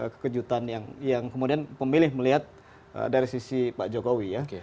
kekejutan yang kemudian pemilih melihat dari sisi pak jokowi ya